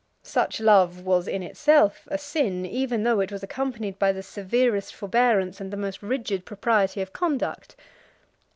Such love was in itself a sin, even though it was accompanied by the severest forbearance and the most rigid propriety of conduct.